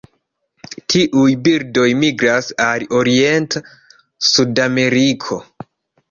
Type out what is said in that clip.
Tiuj birdoj migras al orienta Sudameriko.